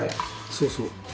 そうそう。